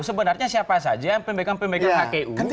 sebenarnya siapa saja pemegang pemegang hgu